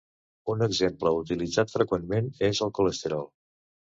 Un exemple utilitzat freqüentment és el colesterol.